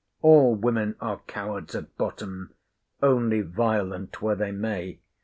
All women are cowards at bottom; only violent where they may.